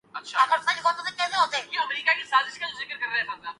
ان کے کھیل میں قوت، خوبصورتی ، تکنیک اور پھرتی شامل ہے۔